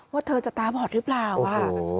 ว่าเธอจะตาบอดหรือเปล่าอ่ะ